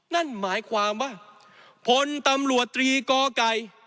นั่นหมายความว่าพลตำรวจตรีกอไก่